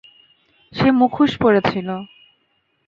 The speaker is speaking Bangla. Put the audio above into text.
সে মুখোশ পরে ছিলো।